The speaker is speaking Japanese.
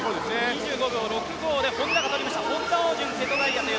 ２５秒６５で本多が取りました。